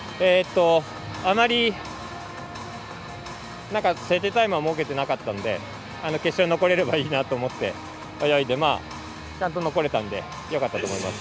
あまり、設定タイムは設けていなかったので決勝に残れればいいなと思って泳いでちゃんと残れたのでよかったと思います。